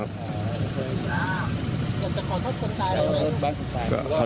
อยากจะขอโทษคนตายอะไรไหม